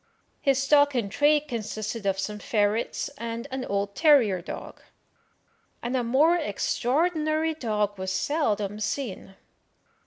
His stock in trade consisted of some ferrets and an old terrier dog, and a more extraordinary dog was seldom seen.